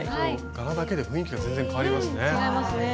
柄だけで雰囲気が全然変わりますね。